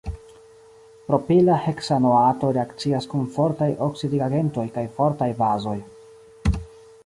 Propila heksanoato reakcias kun fortaj oksidigagentoj kaj fortaj bazoj.